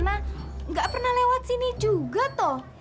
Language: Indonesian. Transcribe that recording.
engkong enggak pernah lewat sini juga toh